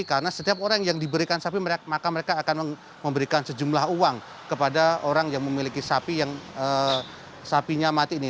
karena setiap orang yang diberikan sapi maka mereka akan memberikan sejumlah uang kepada orang yang memiliki sapi yang sapinya mati ini